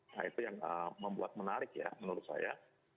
nah itu yang membuat menarik ya menurut saya